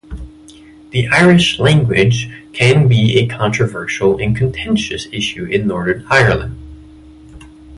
The Irish language can be a controversial and contentious issue in Northern Ireland.